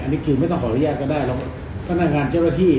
อันนี้คือไม่ต้องขออนุญาตก็ได้แล้วพนักงานเจ้าหน้าที่